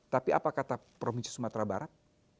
tapi apa kata provinsi sumatera barat